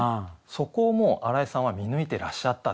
そこを荒井さんは見抜いてらっしゃった。